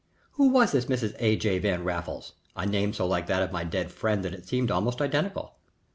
Who was this Mrs. A. J. Van Raffles? a name so like that of my dead friend that it seemed almost identical.